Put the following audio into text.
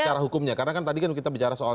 cara hukumnya karena kan tadi kita bicara soal